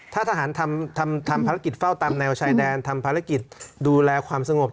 ถ้าทหารทำภารกิจเฝ้าตามแนวชายแดนทำภารกิจดูแลความสงบ